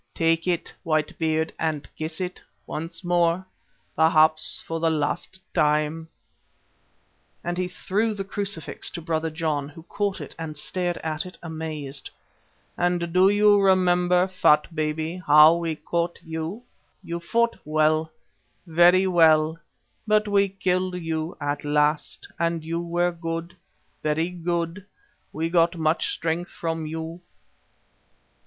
"Take it, White Beard, and kiss it once more, perhaps for the last time," and he threw the crucifix to Brother John, who caught it and stared at it amazed. "And do you remember, Fat Baby, how we caught you? You fought well, very well, but we killed you at last, and you were good, very good; we got much strength from you.